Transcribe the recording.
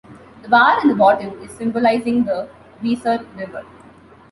The bar in the bottom is symbolising the Weser River.